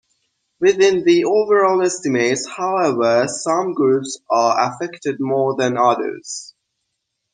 Within the overall estimates, however, some groups are affected more than others.